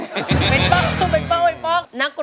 เห็นป้องผมเห็นป้องห้ายป้อง